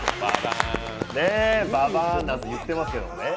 ババーンなんて言ってますけどね。